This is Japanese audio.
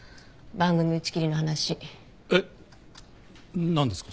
えっ何ですか？